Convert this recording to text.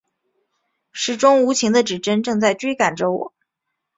时钟无情的指针正在追赶着我